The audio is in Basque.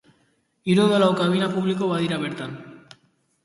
Hiru edo lau kabina publiko badira bertan.